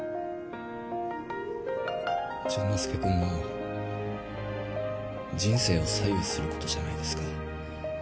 淳之介君の人生を左右することじゃないですか。